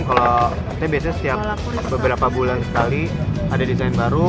kalau kita biasanya setiap beberapa bulan sekali ada desain baru